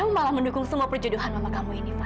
aku tidak mau mendukung semua perjodohan mama kamu ini tofan